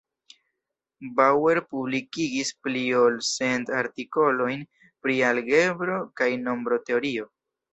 Bauer publikigis pli ol cent artikolojn pri algebro kaj nombroteorio.